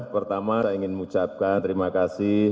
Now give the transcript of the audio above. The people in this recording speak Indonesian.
pertama saya ingin mengucapkan terima kasih